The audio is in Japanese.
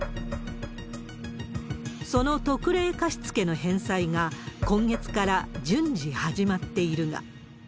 その特例貸付の返済が、今月から順次始まっているが。